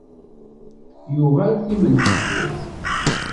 Yuɣal timendeffirt.